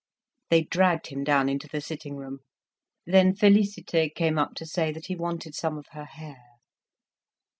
They dragged him down into the sitting room. Then Félicité came up to say that he wanted some of her hair.